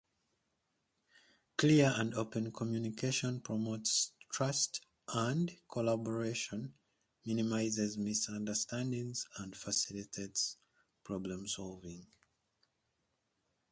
Clear and open communication promotes trust and collaboration, minimizes misunderstandings, and facilitates problem-solving.